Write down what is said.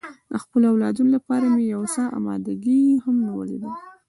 د خپلو اولادو لپاره مې یو څه اماده ګي هم نیولې ده.